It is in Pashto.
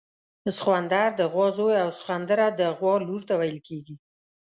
سخوندر د غوا زوی او سخونده د غوا لور ته ویل کیږي